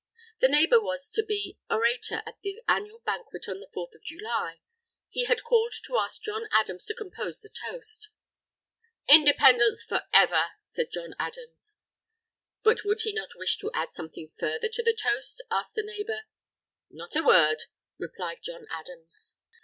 The neighbour was to be orator at the annual banquet on the Fourth of July. He had called to ask John Adams to compose the toast. "Independence for ever!" said John Adams. But would he not wish to add something further to the toast, asked the neighbour. "Not a word," replied John Adams.